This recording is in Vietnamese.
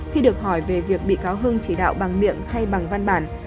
khi được hỏi về việc bị cáo hưng chỉ đạo bằng miệng hay bằng văn bản